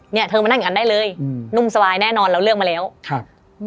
เนี่ยเธอมานั่งอย่างงั้นได้เลยอืมนุ่มสบายแน่นอนเราเลือกมาแล้วครับ